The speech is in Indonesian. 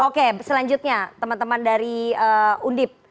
oke selanjutnya teman teman dari undip